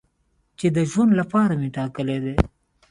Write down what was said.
چې د ژوند لپاره مې ټاکلی دی.